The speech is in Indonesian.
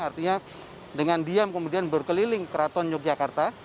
artinya dengan diam kemudian berkeliling keraton yogyakarta